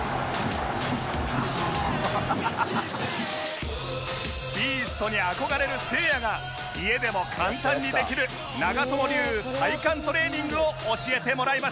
「アハハハ」ビーストに憧れるせいやが家でも簡単にできる長友流体幹トレーニングを教えてもらいました